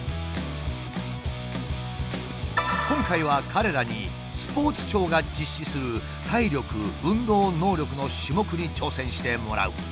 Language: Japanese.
今回は彼らにスポーツ庁が実施する体力・運動能力の種目に挑戦してもらう。